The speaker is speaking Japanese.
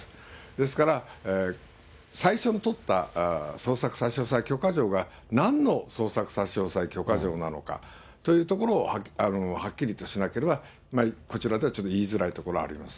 ですから最初に取った捜索差し押さえ許可状が、なんの捜索差し押さえ許可状なのかというところをはっきりとしなければ、こちらではちょっと言いづらいところあります。